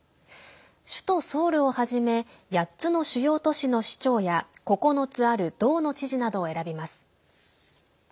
首都ソウルをはじめ８つの主要都市の市長や９つある道の知事などを選びます。